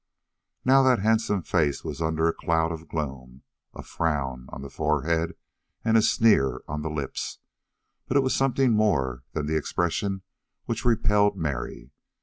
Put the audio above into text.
Now that handsome face was under a cloud of gloom, a frown on the forehead and a sneer on the lips, but it was something more than the expression which repelled Mary.